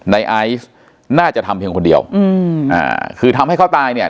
ไอซ์น่าจะทำเพียงคนเดียวอืมอ่าคือทำให้เขาตายเนี่ย